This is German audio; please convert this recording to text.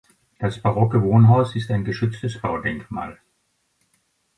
Das barocke Wohnhaus ist ein geschütztes Baudenkmal.